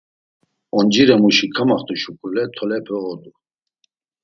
Onciremuşi kamaxt̆u şuǩule tolepe odu.